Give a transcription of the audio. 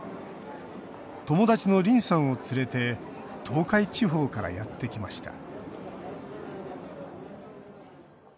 友達のりんさんを連れて東海地方からやってきました